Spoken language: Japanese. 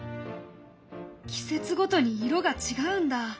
季節ごとに色が違うんだ！